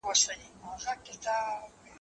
پيشو پوه سول چي موږك جنگ ته تيار دئ